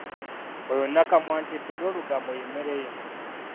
Oyo nakamwantette era olugambo ye mmere ye.